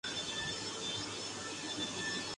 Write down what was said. سفید رنگ کی جھاگ ملی ہوئی ہے